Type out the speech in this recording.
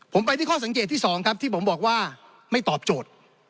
ผมไปที่ข้อสังเกตที่๒ครับที่ผมบอกว่าไม่ตอบโจทย์